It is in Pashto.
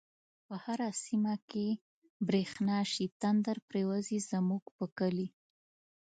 په هره سیمه چی برشنا شی، تندر پریوزی زمونږ په کلی